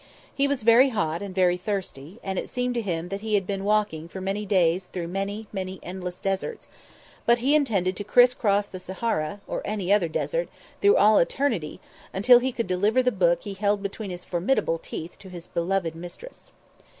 He was very hot and very thirsty, and it seemed to him that he had been walking for many days through many, many endless deserts, but he intended to criss cross the Sahara, or any other desert, through all eternity, until he could deliver the book he held between his formidable teeth to his beloved mistress.